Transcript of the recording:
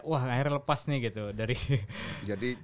wah akhirnya lepas nih gitu dari